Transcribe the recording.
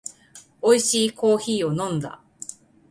おいしいコーヒーを飲んだ